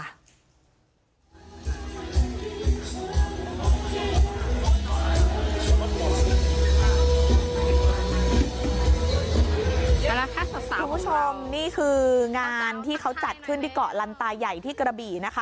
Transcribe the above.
เอาละค่ะสาวคุณผู้ชมนี่คืองานที่เขาจัดขึ้นที่เกาะลันตาใหญ่ที่กระบี่นะคะ